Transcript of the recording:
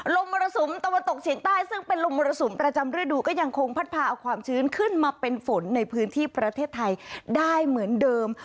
มรสุมตะวันตกเฉียงใต้ซึ่งเป็นลมมรสุมประจำฤดูก็ยังคงพัดพาเอาความชื้นขึ้นมาเป็นฝนในพื้นที่ประเทศไทยได้เหมือนเดิม